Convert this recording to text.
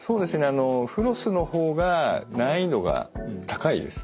あのフロスの方が難易度が高いです。